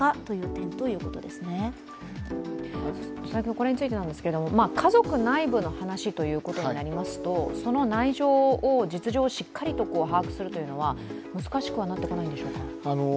これについてなんですけども、家族内部の話ということになりますとその内情、実情をしっかりと把握するというのは難しくはなってこないのでしょうか。